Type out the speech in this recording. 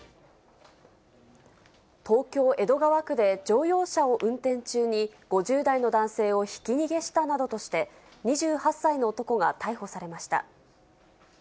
東京・江戸川区で乗用車を運転中に５０代の男性をひき逃げしたなどとして、２８歳の男が逮捕されました。